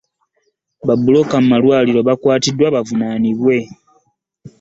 Ba bbulooka malwaliro bakwatibwe bavunanibwe.